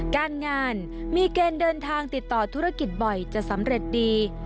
การงานมีเกณฑ์เดินทางติดต่อธุรกิจบ่อยจะสำเร็จดี